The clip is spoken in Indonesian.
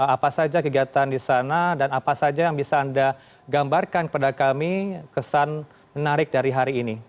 apa saja kegiatan di sana dan apa saja yang bisa anda gambarkan kepada kami kesan menarik dari hari ini